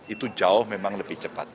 itu jauh memang lebih cepat